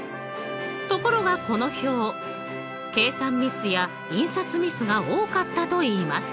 ところがこの表計算ミスや印刷ミスが多かったといいます。